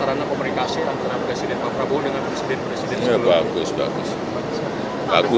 kalau misalkan jadi seminggu seminggu